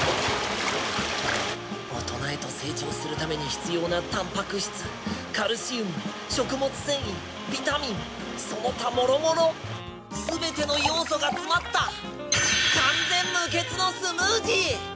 大人へと成長するために必要なタンパク質カルシウム食物繊維ビタミンその他もろもろすべての要素がつまった完全無欠のスムージー！